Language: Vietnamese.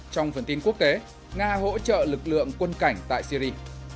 trong phần tin quốc tế nga hỗ trợ lực lượng quân cảnh tại syri